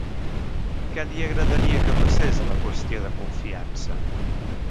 Què li agradaria que passés a la qüestió de confiança?